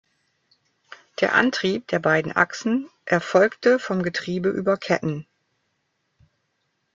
Der Antrieb der beiden Achsen erfolgte vom Getriebe über Ketten.